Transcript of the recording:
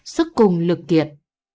sức cùng lực kiệt